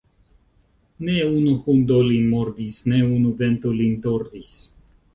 Ne unu hundo lin mordis, ne unu vento lin tordis.